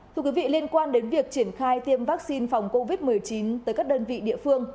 thưa quý vị liên quan đến việc triển khai tiêm vaccine phòng covid một mươi chín tới các đơn vị địa phương